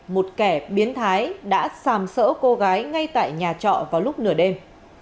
một kẻ biến thái đã xàm sỡ cô gái ngay tại nhà trọ vào lúc nửa đêm